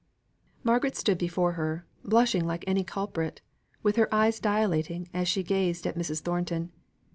Margaret stood before her, blushing like any culprit, with her eyes dilating as she gazed at Mrs. Thornton.